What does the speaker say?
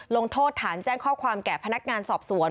ลงโทษฐานแจ้งข้อความแก่พนักงานสอบสวน